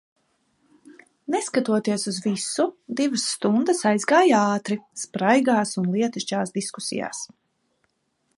Neskatoties uz visu, divas stundas aizgāja ātri, spraigās un lietišķās diskusijās.